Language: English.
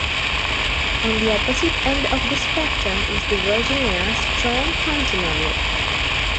On the opposite end of the spectrum is the Virginia "strong county" model.